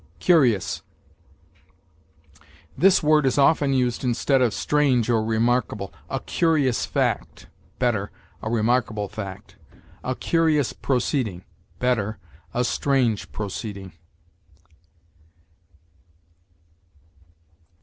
CURIOUS. This word is often used instead of strange or remarkable. "A curious fact": better, "a remarkable fact." "A curious proceeding": better, "a strange proceeding."